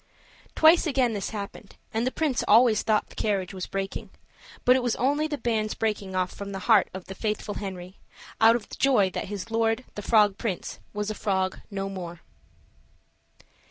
Twice again this happened, and the prince always thought the carriage was breaking; but it was only the bands breaking off from the heart of the faithful Henry, out of joy that his lord, the frog prince, was a frog no more.